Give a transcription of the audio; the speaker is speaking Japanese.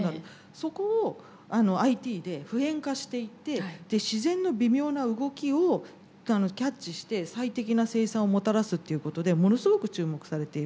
そこをＩＴで敷延化していって自然の微妙な動きをキャッチして最適な生産をもたらすっていうことでものすごく注目されている。